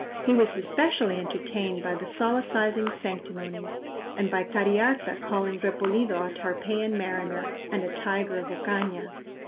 He was especially entertained by the solecising sanctimonies; and by Cariharta calling Repolido a Tarpeian Mariner, and a Tiger of Ocaña.